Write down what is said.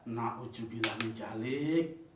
nah ujjubillah nijalik